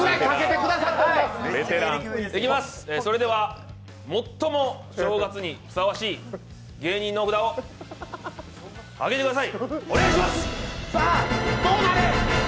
それでは最も正月にふさわしい芸人の札を上げてください。